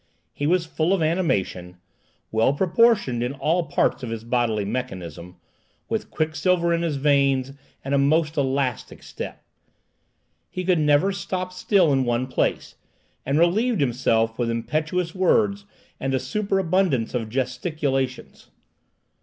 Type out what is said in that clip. He was full of animation, well proportioned in all parts of his bodily mechanism, with quicksilver in his veins, and a most elastic step. He could never stop still in one place, and relieved himself with impetuous words and a superabundance of gesticulations.